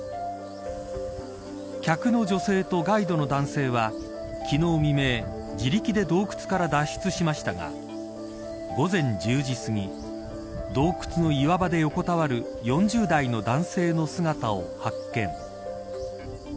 客の女性とガイドの男性は昨日未明自力で洞窟から脱出しましたが午前１０時すぎ洞窟の岩場で横たわる４０代の男性の姿を発見。